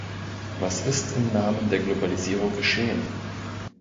Was ist im Namen der Globalisierung geschehen?